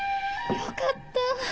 よかった。